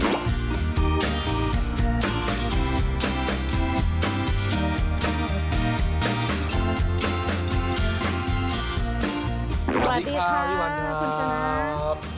สวัสดีค่ะพี่วันครับสวัสดีค่ะคุณชมครับ